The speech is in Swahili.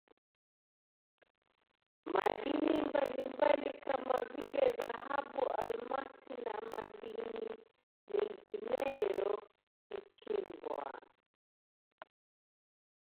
madini mbalimbali kama vile dhahabu almasi na madini mengineyo huchimbwa